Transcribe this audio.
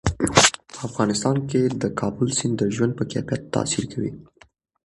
په افغانستان کې کابل سیند د ژوند په کیفیت تاثیر کوي.